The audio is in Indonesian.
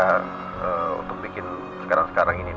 kita untuk bikin sekarang sekarang ini